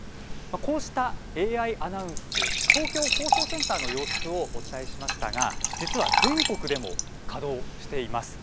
こうしたＡＩアナウンス東京放送センターの様子をお伝えしましたが実は、全国でも稼働しています。